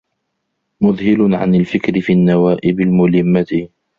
مُذْهِلٌ عَنْ الْفِكْرِ فِي النَّوَائِبِ الْمُلِمَّةِ